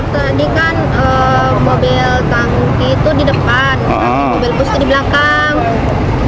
tadi kan mobil tangki itu di depan mobil bus itu di belakang